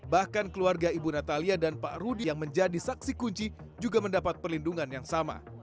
bahkan keluarga ibu natalia dan pak rudi yang menjadi saksi kunci juga mendapat perlindungan yang sama